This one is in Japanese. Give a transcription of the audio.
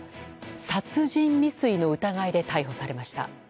殺人未遂の疑いで逮捕されました。